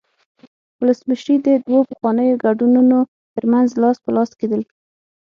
ولسمشري د دوو پخوانیو ګوندونو ترمنځ لاس په لاس کېدل.